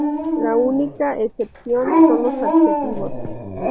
La única excepción son los adjetivos.